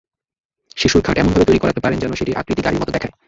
শিশুর খাট এমনভাবে তৈরি করাতে পারেন, যেন সেটির আকৃতি গাড়ির মতো দেখায়।